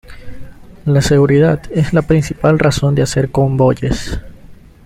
La seguridad es la principal razón de hacer convoyes.